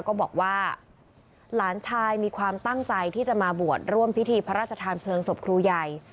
ก็บอกว่าหลานชายมีความตั้งใจที่จะมาบวชร่วมพิธีพระราชทานเพลิงศพครูใหญ่